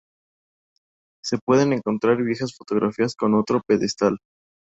Se pueden encontrar viejas fotografías con otro pedestal.